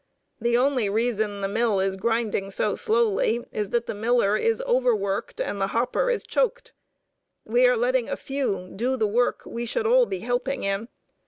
The only reason the mill is grinding so slowly is that the miller is overworked and the hopper is choked. We are letting a few do the work we should all be helping in.